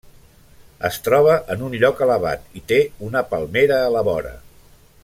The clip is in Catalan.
Es troba en un lloc elevat, i té una palmera a la vora.